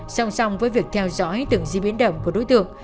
song song với việc theo dõi tưởng di biến động của đối tượng